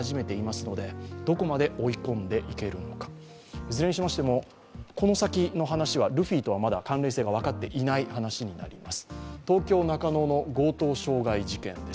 いずれにしましても、この先の話はルフィとはまだ関連性が分かっていない話になります。